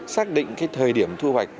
xác định thời điểm thu hoạch